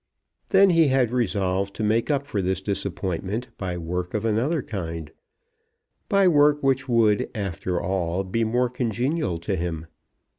Then he had resolved to make up for this disappointment by work of another kind, by work which would, after all, be more congenial to him.